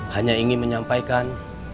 hanya ingin menyampaikan